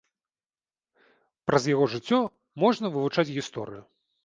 Праз яго жыццё можна вывучаць гісторыю.